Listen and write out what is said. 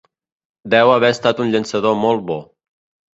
Deu haver estat un llançador molt bo.